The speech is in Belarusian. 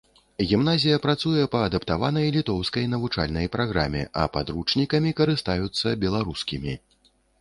Гімназія працуе па адаптаванай літоўскай навучальнай праграме, а падручнікамі карыстаюцца беларускімі.